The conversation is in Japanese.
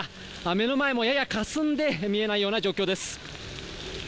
目の前もややかすんで見えないような状況です